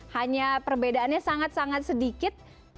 hanya perbedaannya sangat sangat sedikit